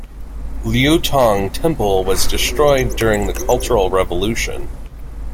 Liutong Temple was destroyed during the Cultural Revolution.